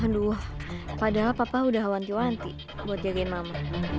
aduh padahal papa udah hwanti wanti buat jagain mama